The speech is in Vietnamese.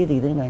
thì thế này